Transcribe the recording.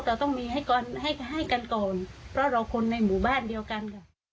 เราต้องมีให้กันก่อนเพราะเราคนในหมู่บ้านเดียวกันค่ะ